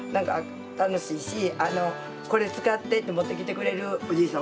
これ使ってって持ってきてくれるおじいさん